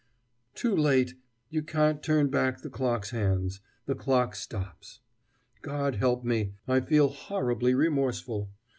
Too late! You can't turn back the clock's hands: the clock stops. God help me, I feel horribly remorseful.